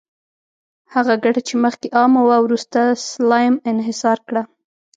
هغه ګټه چې مخکې عامه وه، وروسته سلایم انحصار کړه.